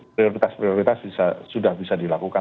prioritas prioritas sudah bisa dilakukan